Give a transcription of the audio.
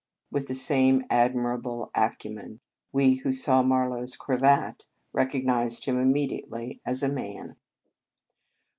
With the same admi rable acumen, we who saw Marlow s cravat recognized him immediately as a man.